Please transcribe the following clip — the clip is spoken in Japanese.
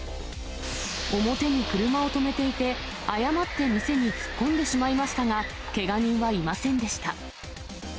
表に車を止めていて、誤って店に突っ込んでしまいましたが、けが人はいませんでした。